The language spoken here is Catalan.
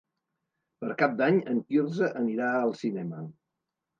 Per Cap d'Any en Quirze anirà al cinema.